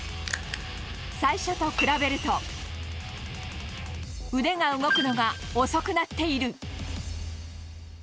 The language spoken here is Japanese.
最初と比べると、腕が動くのが遅くなっている。